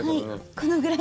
このぐらい？